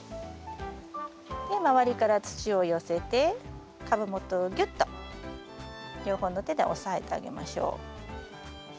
で周りから土を寄せて株元をぎゅっと両方の手で押さえてあげましょう。